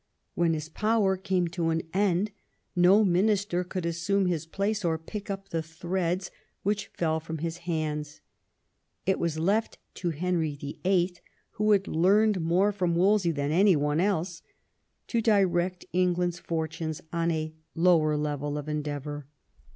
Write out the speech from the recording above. When his power came to an end no minister could assume his place or pick up the threads which fell from his nands. It was left to Henry VIII., who had learned more from Wolsey than any one else, to direct England's fortunes on a lower level of endeavour.